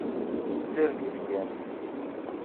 D targit kan.